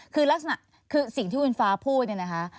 คือลักษณะคือสิ่งที่คุณฟ้าพูดเนี่ยนะคะ